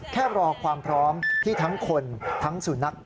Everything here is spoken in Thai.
แค่รอความพร้อมที่ทั้งคนทั้งสุนัข